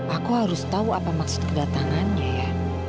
aku harus tahu apa maksud kedatangannya ya